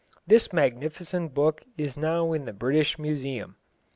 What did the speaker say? This magnificent book is now in the British Museum.